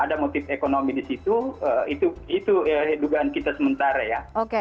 ada motif ekonomi di situ itu dugaan kita sementara ya